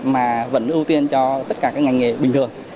mà vẫn ưu tiên cho tất cả các ngành nghề bình thường